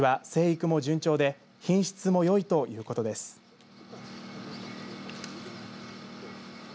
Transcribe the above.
ことしは生育も順調で品質もよいということです。